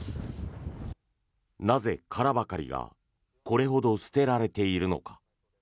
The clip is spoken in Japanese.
なぜ殻ばかりがこれほど捨てられているのか。